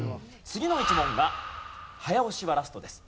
次の１問が早押しはラストです。